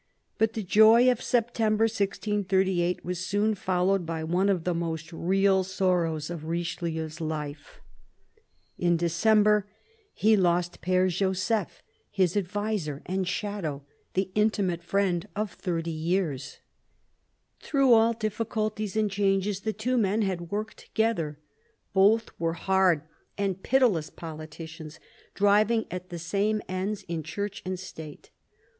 But the joy of September 1638 was soon followed by one of the most real sorrows of Richelieu's life. In 272 CARDINAL DE RICHELIEU December he lost Pere Joseph, his adviser and shadow the intimate friend of thirty years. Through all difficulties and changes the two men had worked together. Both were hard and pitiless politicians, driving at the same ends in Church and State.